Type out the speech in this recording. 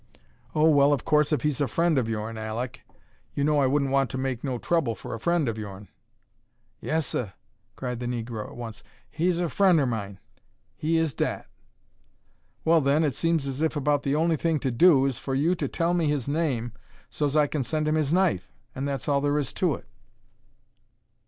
"Oh, well, of course if he's a friend of yourn, Alek! You know I wouldn't want to make no trouble for a friend of yourn." "Yes, seh," cried the negro at once. "He's er frien' er mine. He is dat." "Well, then, it seems as if about the only thing to do is for you to tell me his name so's I can send him his knife, and that's all there is to it."